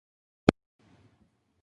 Melee, Super Smash Bros.